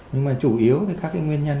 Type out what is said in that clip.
nhưng mà chủ yếu thì các cái nguyên nhân